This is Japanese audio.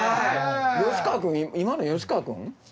吉川君今の吉川君？